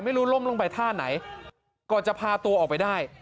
ไม่รู้ล้มลงไปท่าไหนก็จะพาตัวออกไปได้